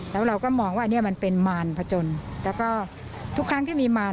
แล้วเราก็มองว่าอันนี้มันเป็นมารพจนแล้วก็ทุกครั้งที่มีมาร